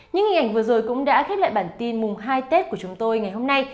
những hình ảnh vừa rồi cũng đã khép lại bản tin mùng hai tết của chúng tôi ngày hôm nay